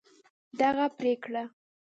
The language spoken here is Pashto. دغه پرېکړه